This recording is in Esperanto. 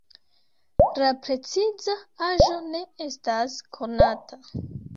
La preciza aĝo ne estas konata.